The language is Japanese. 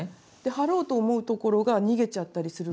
貼ろうと思うところが逃げちゃったりするから。